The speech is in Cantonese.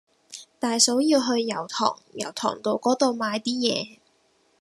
大嫂要去油塘油塘道嗰度買啲嘢